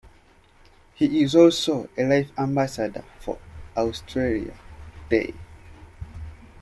He is also a Life Ambassador for Australia Day.